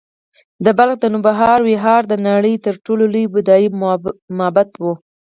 د بلخ د نوبهار ویهار د نړۍ تر ټولو لوی بودایي معبد و